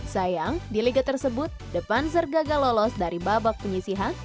sayang di liga tersebut the panzer gagal lolos dari babak penyisihan